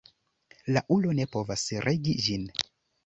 La ulo ne povas regi ĝin.